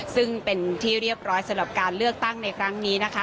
ซึ่งเป็นที่เรียบร้อยสำหรับการเลือกตั้งในครั้งนี้นะคะ